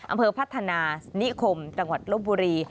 อำเภอพัฒนานิคมตลบบุรี